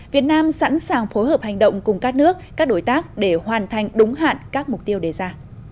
việt nam sẵn sàng phối hợp hành động cùng các nước các đối tác để hoàn thành đúng hạn các mục tiêu đề ra